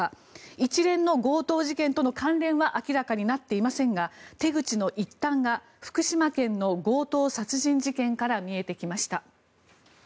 一連の強盗事件との関連は明らかになっていませんが手口の一端が福島県の強盗殺人事件から見えてきました。